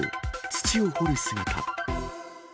土を掘る姿。